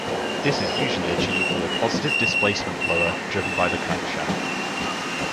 This is usually achieved with a positive displacement blower driven by the crankshaft.